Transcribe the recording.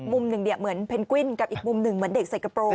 มุมหนึ่งเนี่ยเหมือนเพนกวิ้นกับอีกมุมหนึ่งเหมือนเด็กใส่กระโปรง